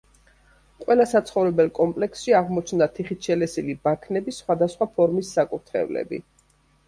ყველა საცხოვრებელ კომპლექსში აღმოჩნდა თიხით შელესილი ბაქნები, სხვადასხვა ფორმის საკურთხევლები.